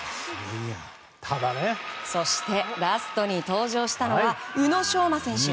そしてラストに登場したのは宇野昌磨選手。